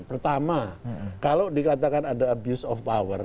pertama kalau dikatakan ada abuse of power